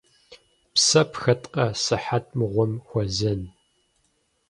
Псэ пхэткъэ, сыхьэт мыгъуэм хуэзэн?